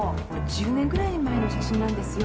１０年くらい前の写真なんですよ。